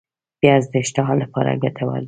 پیاز د اشتها لپاره ګټور دی